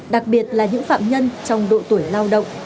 đặc biệt là những phạm nhân trong độ tuổi lao động